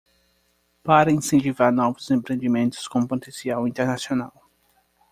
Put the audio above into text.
Para incentivar novos empreendimentos com potencial internacional